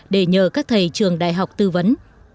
để nhờ các thầy trường đại học tư vấn